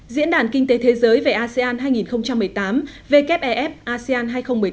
diễn đàn kinh tế thế giới về asean hai nghìn một mươi tám wef asean hai nghìn một mươi tám